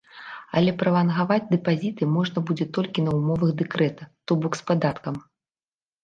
Але пралангаваць дэпазіты можна будзе толькі на ўмовах дэкрэта, то бок з падаткам.